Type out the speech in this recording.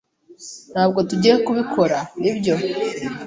Ntabwo tugiye kubikora, nibyo?